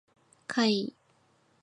怪異